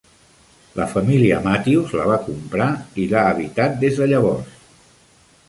La família Matthews la va comprar i l'ha habitat des de llavors.